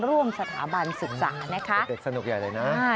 ร่วมสถาบันศึกษานะคะเด็กสนุกใหญ่เลยนะ